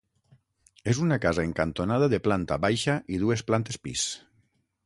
És una casa en cantonada de planta baixa i dues plantes pis.